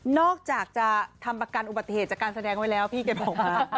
อกจากจะทำประกันอุบัติเหตุจากการแสดงไว้แล้วพี่แกบอก